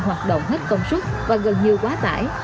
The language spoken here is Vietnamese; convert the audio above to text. hoạt động hết công suất và gần như quá tải